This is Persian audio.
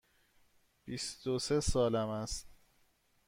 بیست و سه سالم است.